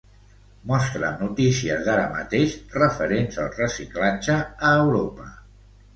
Mostra'm notícies d'ara mateix referents al reciclatge a Europa.